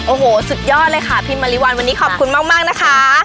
โอ้โหสุดยอดเลยค่ะพิมมาริวัลวันนี้ขอบคุณมากนะคะ